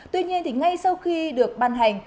tuy nhiên thì ngay sau khi được bàn hành